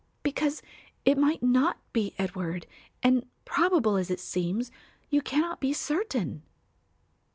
"Because it might not be Edward, and, probable as it seems, you cannot be certain."